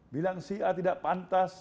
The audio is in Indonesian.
bilang si a tidak pantas